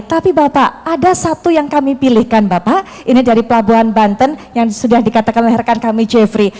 tapi bapak ada satu yang kami pilihkan bapak ini dari pelabuhan banten yang sudah dikatakan oleh rekan kami jeffrey